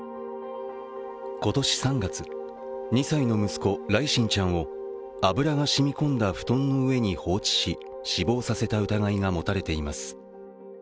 今年３月、２歳の息子・來心ちゃんを油が染み込んだ布団の上に放置し死亡させた疑いが持たれています。